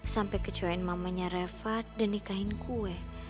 sampai kecoyain mamanya reva dan nikahin gue